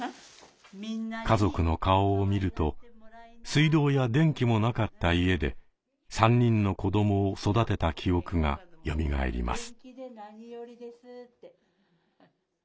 家族の顔を見ると水道や電気もなかった家で３人の子どもを育てた記憶がよみがえります。